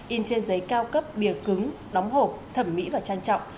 in trên giấy cao cấp bìa cứng đóng hộp thẩm mỹ và trang trọng